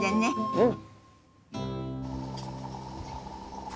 うん！